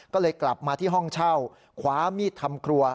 ก็เลยกลับมาที่ห้องเช่าคว้ามีดทำครัว